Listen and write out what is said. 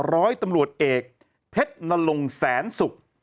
ร้อยตำรวจเอกเพชรนลงแสนศุกร์